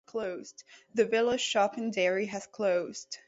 The village shop and dairy has closed.